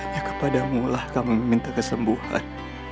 ya kepadamulah kami minta kesembuhan